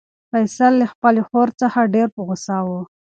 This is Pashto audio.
فیصل له خپلې خور څخه ډېر په غوسه و.